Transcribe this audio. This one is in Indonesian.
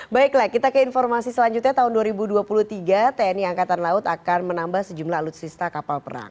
baiklah kita ke informasi selanjutnya tahun dua ribu dua puluh tiga tni angkatan laut akan menambah sejumlah alutsista kapal perang